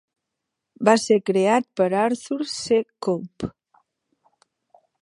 Va ser creat per Arthur C. Cope.